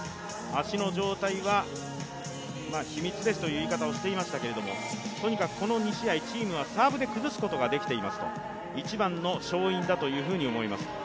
足の状態は秘密ですという言い方をしていましたけれども、とにかくこの２試合、チームはサーブで崩すことができていますと、一番の勝因だというふうに思いますと。